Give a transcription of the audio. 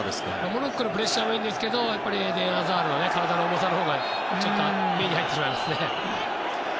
モロッコのプレッシャーはいいんですけどエデン・アザールの体の重さのほうが目に入ってしまいますね。